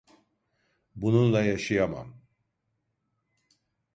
Bununla yaşayamam.